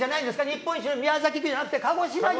日本一の宮崎牛じゃなくて鹿児島牛？